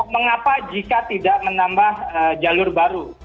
mengapa jika tidak menambah jalur baru